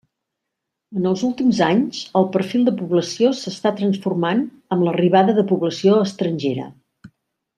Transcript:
En els últims anys, el perfil de població s'està transformant amb l'arribada de població estrangera.